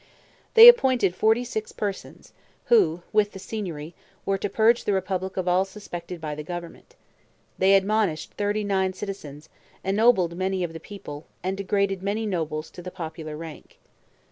They appointed forty six persons, who, with the Signory, were to purge the republic of all suspected by the government. They admonished thirty nine citizens, ennobled many of the people, and degraded many nobles to the popular rank.